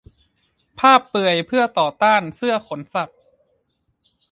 ภาพเปลือยเพื่อต่อต้านเสื้อขนสัตว์